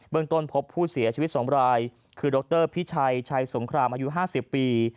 ต้นพบผู้เสียชีวิต๒รายคือดรพิชัยชัยสงครามอายุ๕๐ปี